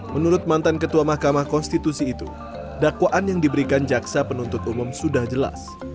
menurut mantan ketua mahkamah konstitusi itu dakwaan yang diberikan jaksa penuntut umum sudah jelas